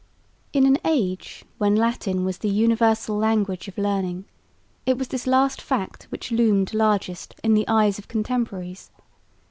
In an age when Latin was the universal language of learning, it was this last fact which loomed largest in the eyes of contemporaries.